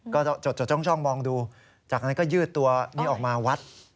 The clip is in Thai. ก็จดช่องมองดูจากนั้นก็ยืดตัวนี้ออกมาวัด